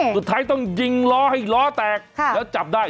สุดท้ายต้องยิงล้อให้ล้อแตกแล้วจับได้